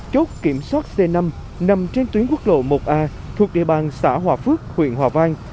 chốt kiểm soát c năm nằm trên tuyến quốc lộ một a thuộc địa bàn xã hòa phước huyện hòa vang